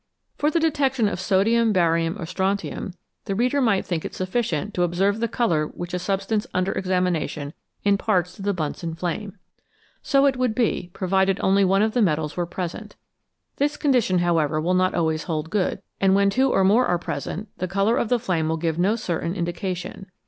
For the detection of sodium, barium, or strontium the 208 CHEMISTRY OF THE STARS reader might think it sufficient to observe the colour which a substance under examination imparts to the Bunsen flame. So it would be, provided only one of the metals was present ; this condition, however, will not always hold good, and when two or more are present the colour of the flame will give no certain indication.